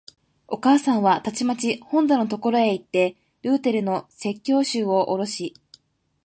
お母さんはたちまち本棚のところへいって、ルーテルの説教集をおろし、